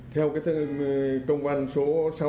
theo cái công văn số sáu nghìn tám trăm bốn mươi ba